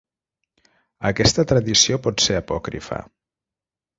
Aquesta tradició pot ser apòcrifa.